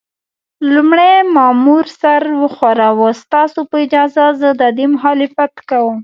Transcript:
لومړي مامور سر وښوراوه: ستاسو په اجازه، زه د دې مخالفت کوم.